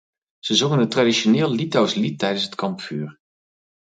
Ze zongen een traditioneel Litouws lied tijdens het kampvuur.